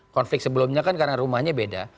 konflik sebelumnya kan karena rumahnya beda